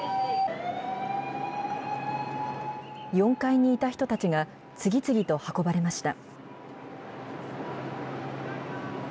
４階にいた人たちが、次々と運ばれました。